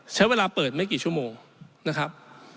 ใช้เวลาเปิดไม่กี่ชั่วโมงนะครับ